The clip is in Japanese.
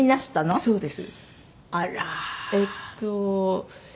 そうです。